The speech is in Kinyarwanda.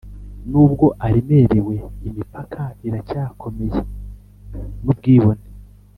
nubwo aremerewe imipaka, iracyakomeye nubwibone.